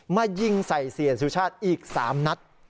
มายิงใส่เสียสุชาติอีก๓นัด